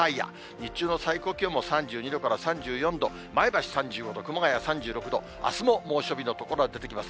日中の最高気温も３２度から３４度、前橋３５度、熊谷３６度、あすも猛暑日の所が出てきます。